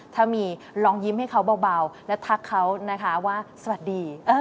ถ้ามีลองยิ้มให้เขาเบาและทักเขานะคะว่าสวัสดี